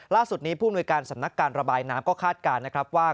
ล่าสุดนี้ผู้อำนวยการสำนักการณ์ระบายน้ำก็คาดการณ์ว่า